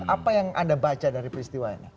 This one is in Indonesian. apa yang anda baca dari peristiwanya